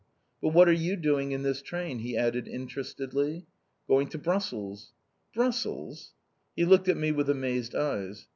"But what are you doing in this train?" he added interestedly. "Going to Brussels!" "Brussels!" He looked at me with amazed eyes.